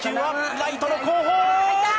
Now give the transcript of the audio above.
ライトの後方。